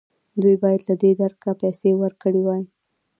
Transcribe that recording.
دوی باید له دې درکه پیسې ورکړې وای.